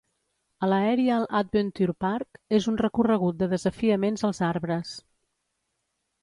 El Aerial Adventure Park és un recorregut de desafiaments als arbres.